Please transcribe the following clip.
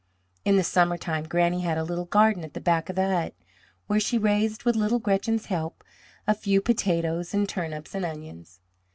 In the summer time Granny had a little garden at the back of the hut where she raised, with little Gretchen's help, a few potatoes and turnips and onions.